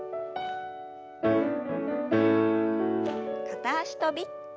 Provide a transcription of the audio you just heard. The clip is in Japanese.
片脚跳び。